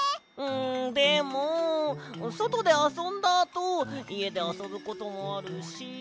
んでもそとであそんだあといえであそぶこともあるし。